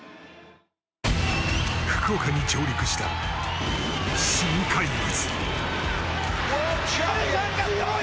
福岡に上陸した、新怪物。